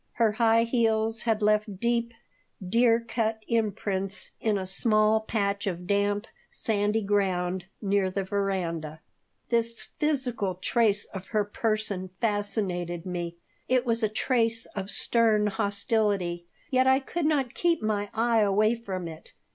Her high heels had left deep, dear cut imprints in a small patch of damp, sandy ground near the veranda. This physical trace of her person fascinated me. It was a trace of stern hostility, yet I could not keep my eye away from it.